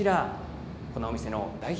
このお店の代表